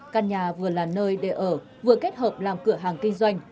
căn nhà vừa là nơi để ở vừa kết hợp làm cửa hàng kinh doanh